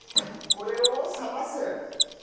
これを冷ます。